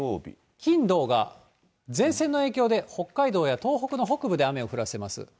金、土が、前線の影響で北海道や東北の北部で雨を降らせます。